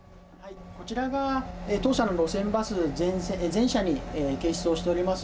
こちらが当社の路線バス全車に掲出をしております